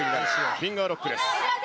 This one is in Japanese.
リンガーロックです。